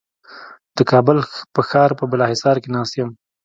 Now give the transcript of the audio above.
د کابل په ښار په بالاحصار کې ناست یم.